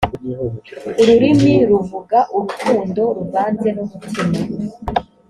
ururimi ruvuga urukundo ruvanze n umutima